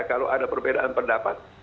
kalau ada perbedaan pendapat